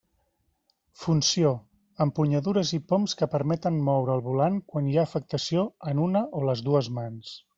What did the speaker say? Funció: empunyadures i poms que permeten moure el volant quan hi ha afectació en una o les dues mans.